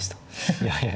いやいや。